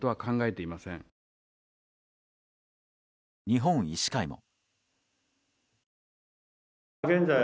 日本医師会も。